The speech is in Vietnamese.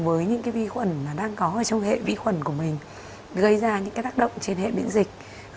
với những cái vi khuẩn đang có ở trong hệ vi khuẩn của mình gây ra những cái tác động trên hệ miễn dịch